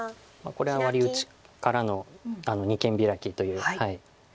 これはワリ打ちからの二間ビラキという。